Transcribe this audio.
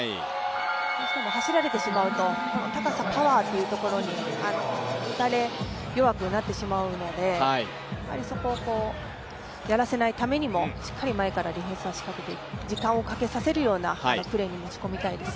どうしても走られてしまうと高さ、パワーというところに打たれ弱くなってしまうのでそこをやらせないためにもしっかり前からディフェンスを仕掛けて時間をかけさせるようなプレーに持ち込みたいです。